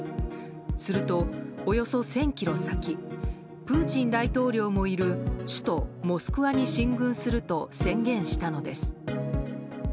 すると、およそ１０００ｋｍ先プーチン大統領もいる首都モスクワに進軍すると宣言したのです。